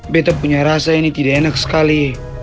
beta punya rasa ini tidak enak sekali